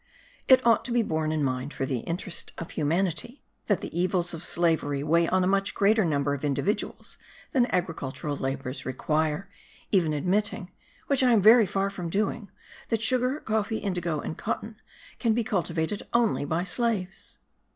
It ought to be borne in mind for the interests of humanity that the evils of slavery weigh on a much greater number of individuals than agricultural labours require, even admitting, which I am very far from doing, that sugar, coffee, indigo and cotton can be cultivated only by slaves.